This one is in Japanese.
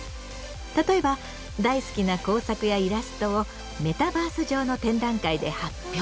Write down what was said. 例えば大好きな工作やイラストをメタバース上の展覧会で発表。